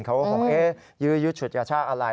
เขาก็บอกว่ายื้อยุดฉุดกระชากันอะไร